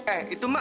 eh itu mak